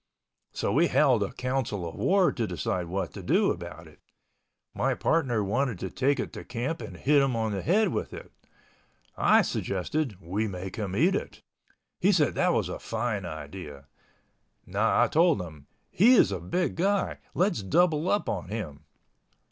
So we held a council of war to decide what to do about it. My partner wanted to take it to camp and hit him on the head with it. I suggested we make him eat it. He said that was a fine idea. Now I told him, "He is a big guy. Let's double up on him."